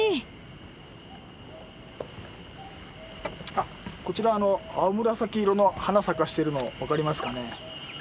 あこちらあの青紫色の花咲かしてるの分かりますかね？